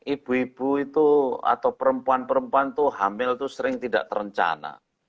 ibu ibu itu atau perempuan perempuan itu hamil itu sering tidak terencana